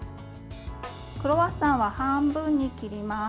クロワッサンは半分に切ります。